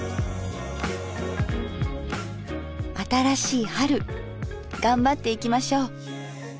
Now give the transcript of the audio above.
新しい春頑張っていきましょう。